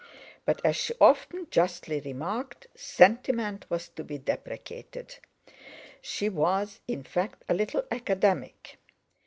But as she often justly remarked, sentiment was to be deprecated. She was, in fact, a little academic.